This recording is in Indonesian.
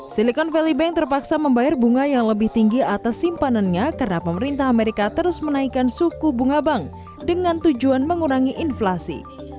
silicon valley bank terpaksa membayar bunga yang lebih tinggi atas simpanannya karena pemerintah amerika terus menaikkan suku bunga bank dengan tujuan mengurangi inflasi